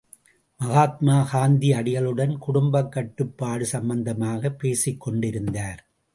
மகாத்மா காந்தியடிகளுடன் குடும்பக் கட்டுப்பாடு சம்பந்தமாகப் பேசிக்கொண்டிருந்தார்.